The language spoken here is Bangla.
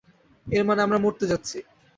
এর মানে, আমরা মরতে যাচ্ছি।